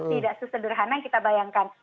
tidak sesederhana yang kita bayangkan